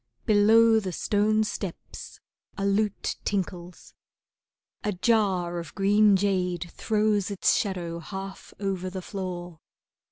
Below the stone steps a lute tinkles. A jar of green jade throws its shadow half over the floor.